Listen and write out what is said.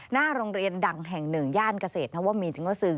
หน้าโรงเรียนดังแห่งหนึ่งย่านเกษตรนวมินเวอร์ซึง